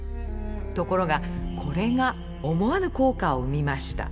ところがこれが思わぬ効果を生みました。